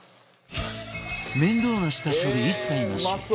面倒な下処理一切なし